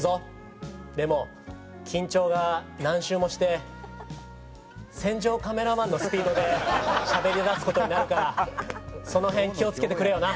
でも緊張が何周もして戦場カメラマンのスピードでしゃべりだす事になるからその辺気を付けてくれよな。